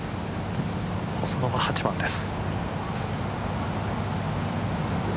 細野の８番です。